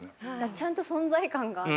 ちゃんと存在感がある。